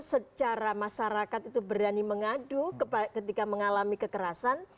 secara masyarakat itu berani mengadu ketika mengalami kekerasan